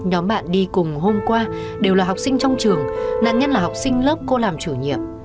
nhóm bạn đi cùng hôm qua đều là học sinh trong trường nạn nhân là học sinh lớp cô làm chủ nhiệm